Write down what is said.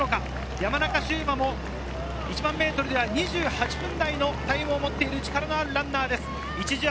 山中秀真も１００００ｍでは２８分台のタイムを持っている力のあるランナーです。